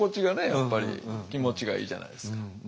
やっぱり気持ちがいいじゃないですか。